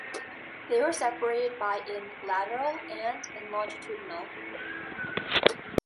They were separated by in lateral and in longitudinal.